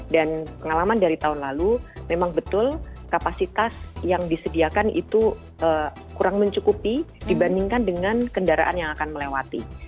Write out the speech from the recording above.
dan pengalaman dari tahun lalu memang betul kapasitas yang disediakan itu kurang mencukupi dibandingkan dengan kendaraan yang akan melewati